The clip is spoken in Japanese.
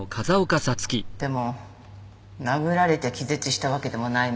でも殴られて気絶したわけでもないのに。